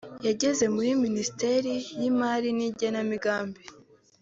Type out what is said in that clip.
yageze muri Minisiteri y’Imari n’Igenamigambi